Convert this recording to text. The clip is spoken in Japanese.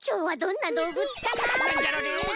なんじゃろね。